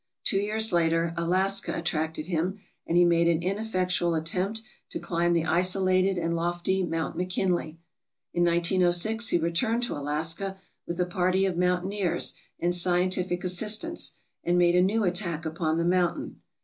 Two years later Alaska attracted him, and he made an ineffectual at tempt to climb the isolated and lofty Mt. McKinley. In 1906 he returned to Alaska, with a party of mountaineers and scientific assistants, and made a new attack upon the mountain.